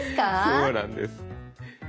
そうなんです。